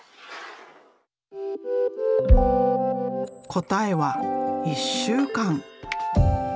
答えは１週間。